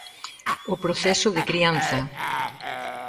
O proceso de crianza.